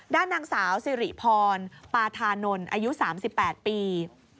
ด้านนางสาวสิริพรปาธานนท์อายุ๓๘ปี